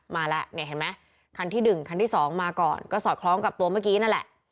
มาแล้วเนี่ยเห็นไหมคันที่๑คันที่สองมาก่อนก็สอดคล้องกับตัวเมื่อกี้นั่นแหละ